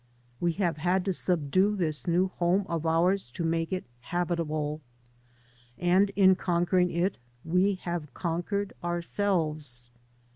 We have had to subdue this new home of ours to make it habitable, and in conquering it we have conquered ourselves.